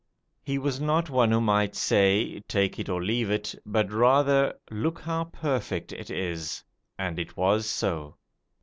He was not of those who might say, take it or leave it; but rather, look how perfect it is; and it was so.